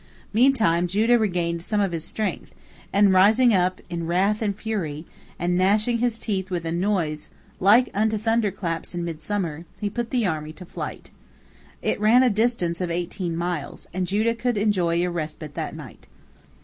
Meantime Judah regained some of his strength, and, rising up in wrath and fury, and gnashing his teeth with a noise like unto thunder claps in midsummer, he put the army to flight. It ran a distance of eighteen miles, and Judah could enjoy a respite that night.